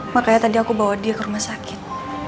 makanya tadi aku bawa dia ke rumah sakit